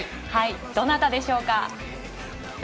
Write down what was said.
どなたでしょうか？